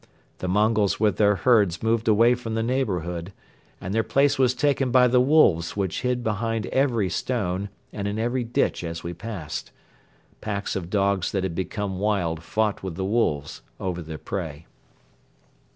The Mongols with their herds moved away from the neighborhood and their place was taken by the wolves which hid behind every stone and in every ditch as we passed. Packs of dogs that had become wild fought with the wolves over the prey.